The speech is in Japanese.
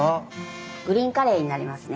グリーンカレーになりますね。